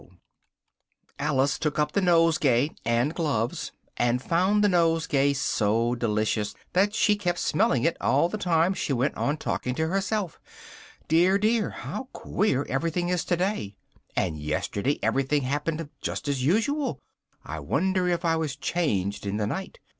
Alice took up the nosegay and gloves, and found the nosegay so delicious that she kept smelling at it all the time she went on talking to herself "dear, dear! how queer everything is today! and yesterday everything happened just as usual: I wonder if I was changed in the night?